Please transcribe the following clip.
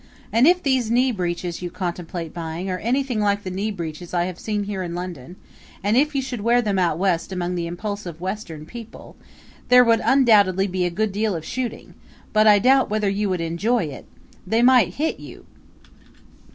And if these knee breeches you contemplate buying are anything like the knee breeches I have seen here in London, and if you should wear them out West among the impulsive Western people, there would undoubtedly be a good deal of shooting; but I doubt whether you would enjoy it they might hit you!"